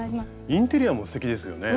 インテリアもすてきですよね。